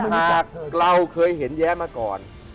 เขาไม่รู้จักเกล้าเคยเห็นแย้มาก่อน